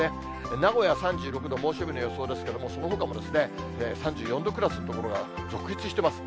名古屋３６度、猛暑日の予想ですけれども、そのほかもですね、３４度クラスの所が続出しています。